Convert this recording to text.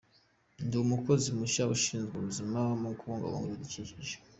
Ndi umukozi mushya ushinzwe ubuzima no kubungabunga ibidukikije.